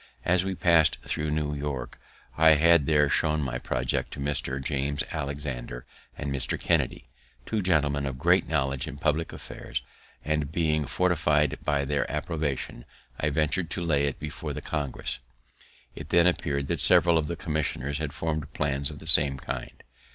As we pass'd thro' New York, I had there shown my project to Mr. James Alexander and Mr. Kennedy, two gentlemen of great knowledge in public affairs, and, being fortified by their approbation, I ventur'd to lay it before the Congress. It then appeared that several of the commissioners had form'd plans of the same kind.